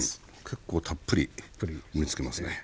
結構たっぷり盛りつけますね。